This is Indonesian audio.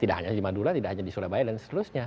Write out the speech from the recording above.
tidak hanya di madura tidak hanya di surabaya dan seterusnya